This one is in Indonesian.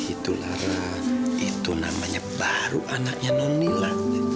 itu lara itu namanya baru anaknya nonnila